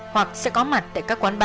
hoặc sẽ có mặt tại các quán ba